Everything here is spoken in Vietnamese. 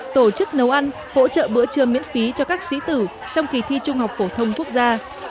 tổ chức nấu ăn hỗ trợ bữa trưa miễn phí cho các sĩ tử trong kỳ thi trung học phổ thông quốc gia